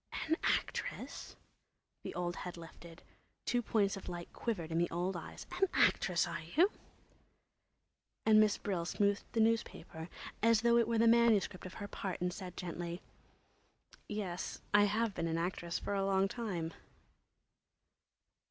"An actress!" The old head lifted; two points of light quivered in the old eyes. "An actress—are ye?" And Miss Brill smoothed the newspaper as though it were the manuscript of her part and said gently; "Yes, I have been an actress for a long time."